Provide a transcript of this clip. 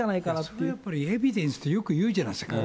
それはやっぱりエビデンスってよく言うじゃないですか。